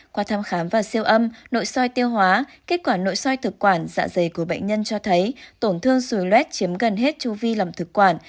qua thăm khám và siêu âm nội soi tiêu hóa kết quả nội soi thực quản dạ dày của bệnh nhân cho thấy tổn thương sùi luet chiếm gần hết chu vi lòng thực quản